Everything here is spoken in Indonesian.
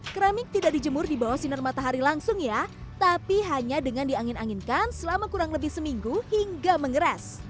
keramik tidak dijemur di bawah sinar matahari langsung ya tapi hanya dengan diangin anginkan selama kurang lebih seminggu hingga mengeras